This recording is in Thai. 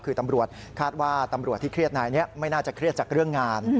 คือตำรวจคาดว่าตำรวจที่เครียดนายนี้ไม่น่าจะเครียดจากเรื่องงาน